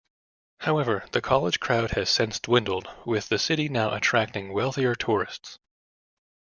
However, the college crowd has since dwindled, with the city now attracting wealthier tourists.